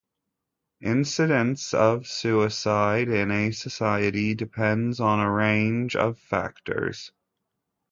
Incidence of suicide in a society depends on a range of factors.